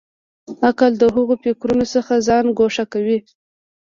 عقل د هغو فکرونو څخه ځان ګوښه کوي.